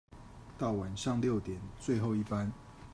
到晚上六點最後一班